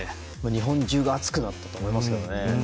日本中が熱くなったと思いますよね。